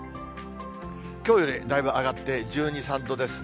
きょうよりだいぶ上がって、１２、３度ですね。